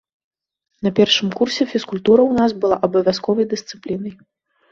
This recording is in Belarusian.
На першым курсе фізкультура ў нас была абавязковай дысцыплінай.